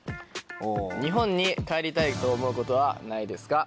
日本に帰りたいと思うことはないですか？